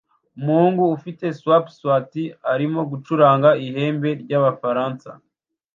Umuhungu ufite swip-swater arimo gucuranga ihembe ryabafaransa